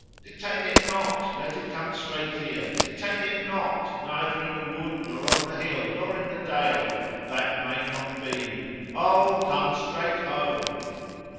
Detain it not, let it come straight here, detain it not, neither in the wood, nor on the hill, nor in the dale. That may not be. O come straight home!"